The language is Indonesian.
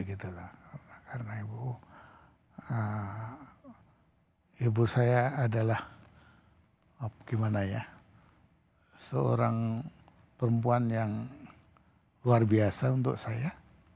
karena ibu saya adalah seorang perempuan yang luar biasa untuk saya